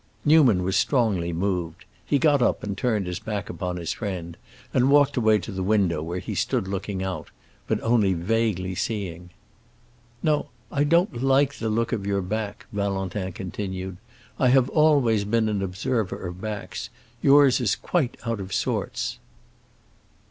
Newman was strongly moved. He got up and turned his back upon his friend and walked away to the window, where he stood looking out, but only vaguely seeing. "No, I don't like the look of your back," Valentin continued. "I have always been an observer of backs; yours is quite out of sorts."